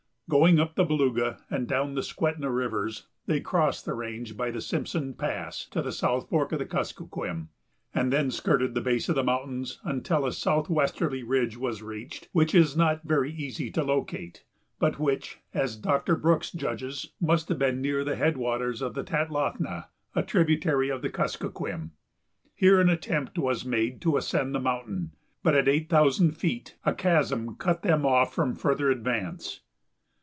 Going up the Beluga and down the Skwentna Rivers, they crossed the range by the Simpson Pass to the south fork of the Kuskokwim, and then skirted the base of the mountains until a southwesterly ridge was reached which it is not very easy to locate, but which, as Doctor Brooks judges, must have been near the headwaters of the Tatlathna, a tributary of the Kuskokwim. Here an attempt was made to ascend the mountain, but at eight thousand feet a chasm cut them off from further advance.